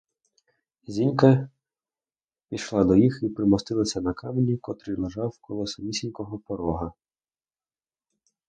Зінька пішла до їх і примостилася на камені, котрий лежав коло самісінького порога.